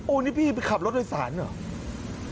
นี่พี่ไปขับรถโดยสารเหรอ